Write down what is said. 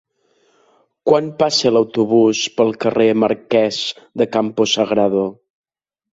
Quan passa l'autobús pel carrer Marquès de Campo Sagrado?